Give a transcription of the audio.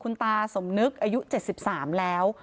คุณตาสมนึกอายุ๗๓แล้ว